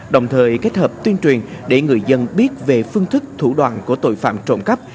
đồng thời kết hợp tuyên truyền để người dân biết về phương thức thủ đoàn của tội phạm trộm cắp